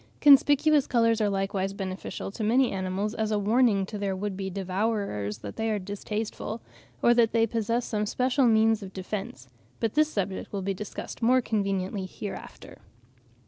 Conspicuous colours are likewise beneficial to many animals as a warning to their would be devourers that they are distasteful, or that they possess some special means of defence; but this subject will be discussed more conveniently hereafter.